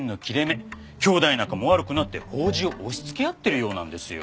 兄妹仲も悪くなって法事を押しつけ合ってるようなんですよ。